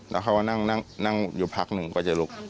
แล้วเขาก็นั่งอยู่พักหนึ่งก็จะลุก